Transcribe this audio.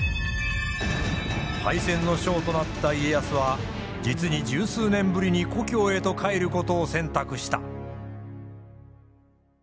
敗戦の将となった家康は実に十数年ぶりに故郷へと帰ることを選択した。